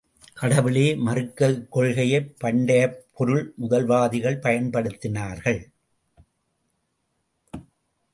கடவுளே மறுக்க இக்கொள்கையைப் பண்டையப் பொருள்முதல்வாதிகள் பயன்படுத்தினர்கள்.